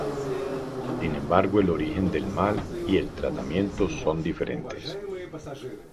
Sin embargo el origen del mal y el tratamiento son diferentes.